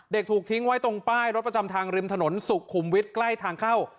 ถูกทิ้งไว้ตรงป้ายรถประจำทางริมถนนสุขุมวิทย์ใกล้ทางเข้า